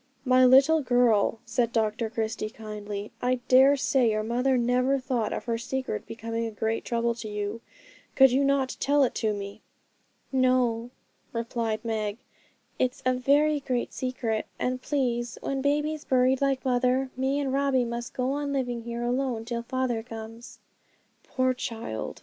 'My little girl,' said Dr Christie kindly, 'I dare say your mother never thought of her secret becoming a great trouble to you. Could you not tell it to me?' 'No,' replied Meg, 'it's a very great secret; and please, when baby's buried like mother, me and Robbie must go on living here alone till father comes.' 'Poor child!'